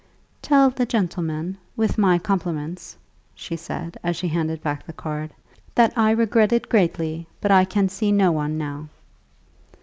"Tell the gentleman, with my compliments," she said, as she handed back the card, "that I regret it greatly, but I can see no one now."